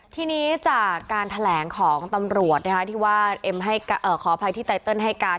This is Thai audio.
ทีนี้จากการแถลงของตำรวจที่ว่าเอ็มขออภัยที่ไตเติลให้การ